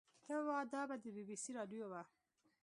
ته وا دا به د بي بي سي راډيو وه.